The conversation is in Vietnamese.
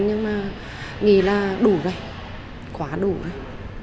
nhưng mà nghĩ là đủ rồi quá đủ rồi